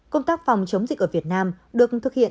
công tác phòng chống dịch ở việt nam được thực hiện